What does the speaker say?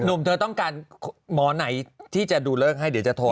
เธอต้องการหมอไหนที่จะดูเลิกให้เดี๋ยวจะโทร